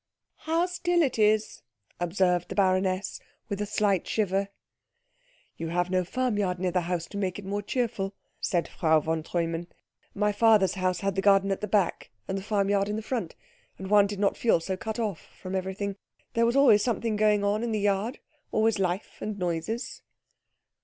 "How still it is," observed the baroness with a slight shiver. "You have no farmyard near the house to make it more cheerful," said Frau von Treumann. "My father's house had the garden at the back, and the farmyard in the front, and one did not feel so cut off from everything. There was always something going on in the yard always life and noises."